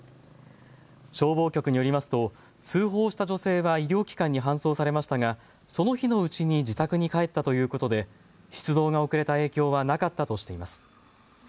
消防局によりますと通報した女性は医療機関に搬送されましたがその日のうちに自宅に帰ったということで出動が遅れた影響はなかったとしています。